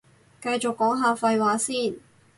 繼續講下廢話先